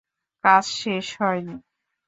কাজ শেষ হয়নি।